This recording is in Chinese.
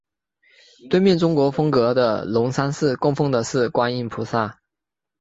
对面中国风格的龙山寺供奉的是观音菩萨。